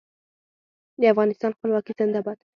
د افغانستان خپلواکي زنده باد.